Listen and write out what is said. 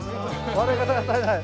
笑い方が足りない。